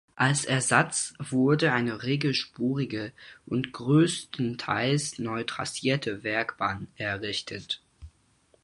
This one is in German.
Als Ersatz wurde eine regelspurige und größtenteils neu trassierte Werkbahn errichtet.